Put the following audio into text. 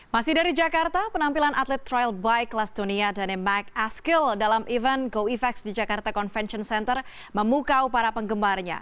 masih dari jakarta penampilan atlet trial bike kelas dunia tony mac askill dalam event go effex di jakarta convention center memukau para penggemarnya